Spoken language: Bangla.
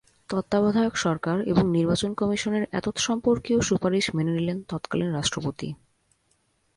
তত্ত্বাবধায়ক সরকার এবং নির্বাচন কমিশনের এতৎসম্পর্কীয় সুপারিশ মেনে নিলেন তৎকালীন রাষ্ট্রপতি।